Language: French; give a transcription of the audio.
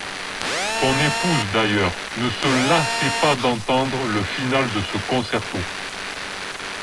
Son épouse, d'ailleurs, ne se lassait pas d'entendre le finale de ce concerto.